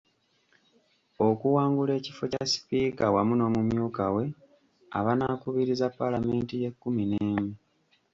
Okuwangula ekifo kya Sipiika wamu n’omumyuka we abanaakubiriza Paalamenti y’ekkumi n'emu.